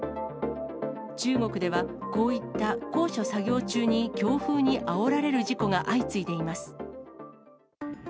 中国では、こういった高所作業中に強風にあおられる事故が相次いでいます。